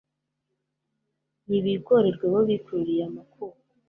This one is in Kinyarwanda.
nibigorerwe! bo bikururiye amakuba